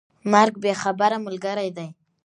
مرګ بې خبره ملګری دی.